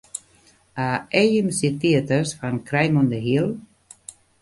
A AMC Theaters fan Crime on the Hill?